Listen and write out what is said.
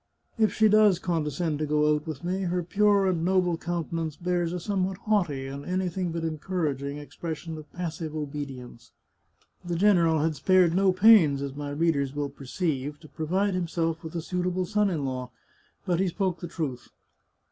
If she does condescend to go out with me, her pure and noble countenance bears a somewhat haughty, and anything but encouraging, expression of passive obedience." The general had spared no pains, as my readers will perceive, to 282 The Chartreuse of Parma provide himself with a suitable son in law. But he spoke the truth.